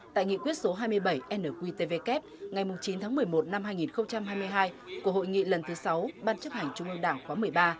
tại nghị quyết số hai mươi bảy nqtvk ngày chín tháng một mươi một năm hai nghìn hai mươi hai của hội nghị lần thứ sáu ban chấp hành trung ương đảng khóa một mươi ba